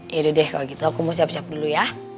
yaudah deh kalau gitu aku mau siap siap dulu ya